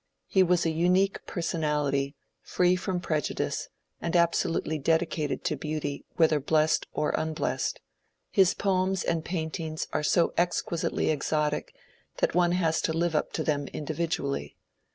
He was a unique personality, free from prejudice, and absolutely dedicated to Beauty whether blest or unblest. His poems and paintings are so exquisitely exotic that one has to live up to them individually.